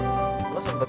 sampai jumpa lagi